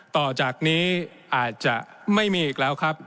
ต่อจากนี้อาจจะไม่มีอีกแล้วครับ